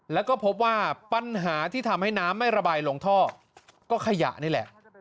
แล้วก็พบว่าปัญหาที่ทำให้น้ำไม่ระบายลงท่อก็ขยะนี่แหละ